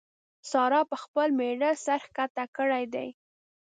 سارا پر خپل مېړه سر کښته کړی دی.